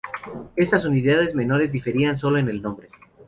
Estas unidades menores diferían sólo en el nombre.